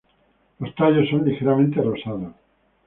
Los tallos son ligeramente rosados.